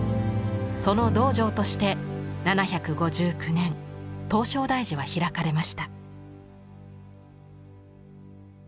その道場として７５９年唐招提寺は開かれました。